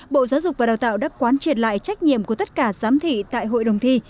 bộ giáo dục và đào tạo đã quán triệt lại trách nhiệm của tất cả giám thị tại hội đồng thi